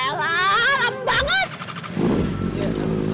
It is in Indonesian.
elah lambang banget